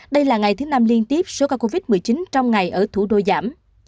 đây là ngày thứ năm liên tiếp số ca covid một mươi chín trong ngày ở thủ đô giảm